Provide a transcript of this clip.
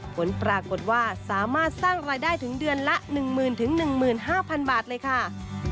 ผลปรากฏว่าสามารถสร้างรายได้ถึงเดือนละ๑๐๐๐๑๕๐๐๐บาทเลยค่ะ